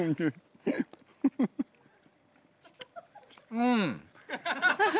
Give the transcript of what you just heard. うん。